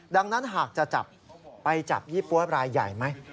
ดังนั้นหากจะจับไปจับยี่ปั๊วรายใหญ่ไหม